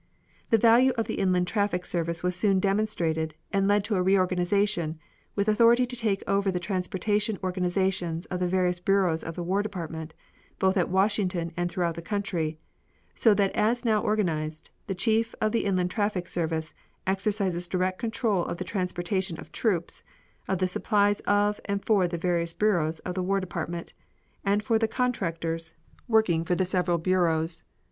The value of the inland traffic service was soon demonstrated and led to a reorganization, with authority to take over the transportation organizations of the various bureaus of the War Department, both at Washington and throughout the country, so that as now organized the chief of the inland traffic service exercises direct control of the transportation of troops, of the supplies of and for the various bureaus of the War Department, and for the contractors working for the several bureaus.